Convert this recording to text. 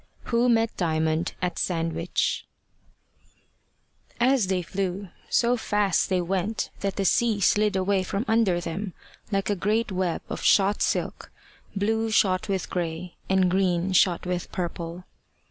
WHO MET DIAMOND AT SANDWICH As THEY flew, so fast they went that the sea slid away from under them like a great web of shot silk, blue shot with grey, and green shot with purple.